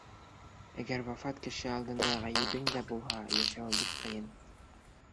Әгәр вафат кеше алдында ғәйебең дә булһа, йәшәүе бик ҡыйын.